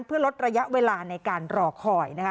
เพื่อลดระยะเวลาในการรอคอยนะคะ